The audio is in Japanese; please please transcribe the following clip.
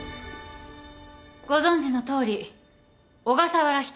ご存じのとおり小笠原仁美さん